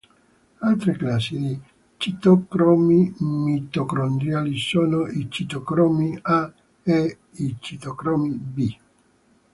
Altre classi di citocromi mitocondriali sono i "citocromi a" e i "citocromi b".